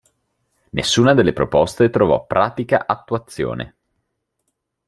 Nessuna delle proposte trovò pratica attuazione.